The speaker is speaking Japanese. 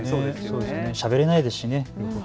しゃべれないですしね。